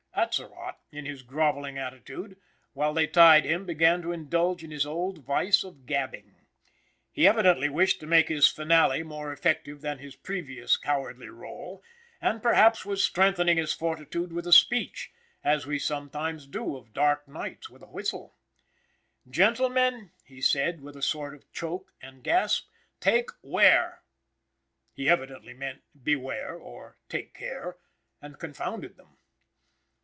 Atzerott, in his grovelling attitude, while they tied him began to indulge in his old vice of gabbing. He evidently wished to make his finale more effective than his previous cowardly role, and perhaps was strengthening his fortitude with a speech, as we sometimes do of dark nights with a whistle. "Gentlemen," he said, with a sort of choke and gasp, "take ware." He evidently meant "beware," or "take care," and confounded them.